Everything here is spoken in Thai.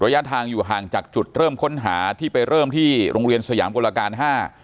ระยะทางอยู่ห่างจากจุดเริ่มค้นหาที่ไปเริ่มที่โรงเรียนสยามกลการห้า